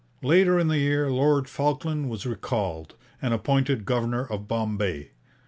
' Later in the year Lord Falkland was recalled, and appointed governor of Bombay.